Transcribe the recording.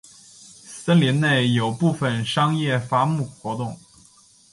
森林内有部分商业伐木活动。